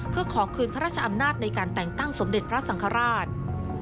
เพื่อขอคืนพระราชอำนาจในการแต่งตั้งสมเด็จพระสังฆราช